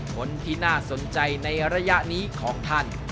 คนที่น่าสนใจในระยะนี้ของท่าน